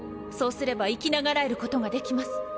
そうすれば生き永らえることができます